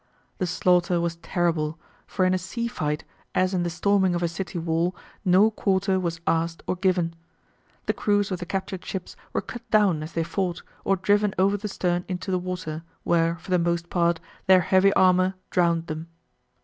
The slaughter was terrible, for in a sea fight, as in the storming of a city wall, no quarter was asked or given. The crews of the captured ships were cut down as they fought, or driven over the stern into the water, where, for the most part, their heavy armour drowned them.